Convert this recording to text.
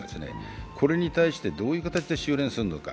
これに対して、どういう形で収れんするのか。